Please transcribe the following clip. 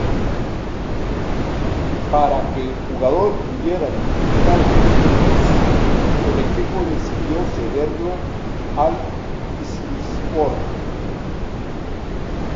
Para que el jugador pudiera disfrutar de minutos el equipo decidió cederlo al İzmirspor.